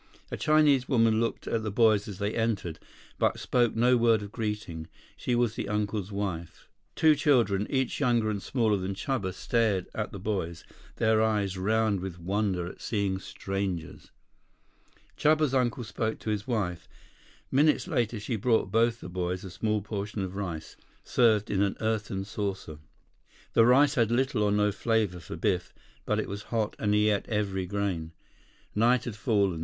A Chinese woman looked at the boys as they entered, but spoke no word of greeting. She was the uncle's wife. Two children, each younger and smaller than Chuba, stared at the boys, their eyes round with wonder at seeing strangers. Chuba's uncle spoke to his wife. Minutes later she brought both the boys a small portion of rice, served in an earthen saucer. The rice had little or no flavor for Biff. But it was hot, and he ate every grain. Night had fallen.